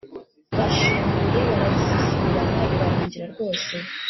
bashyinguye barabisisibiranya birarangira rwose